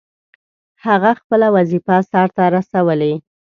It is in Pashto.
هغه خپله وظیفه سرته رسولې.